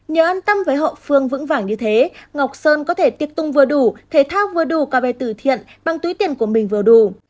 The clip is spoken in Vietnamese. nhờ an tâm với hậu phương vững vàng như thế ngọc sơn có thể tiệc tung vừa đủ thể thao vừa đủ ca bè tử thiện bằng túi tiền của mình vừa đủ